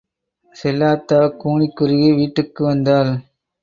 செல்லாத்தா கூனிக்குறுகி வீட்டுக்கு வந்தாள்.